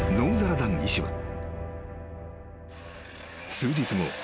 ［数日後